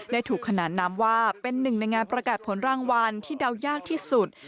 ถูกขนานนามว่าเป็นหนึ่งในงานประกาศผลรางวัลที่เดายากที่สุด